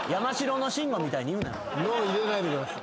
「の」入れないでください。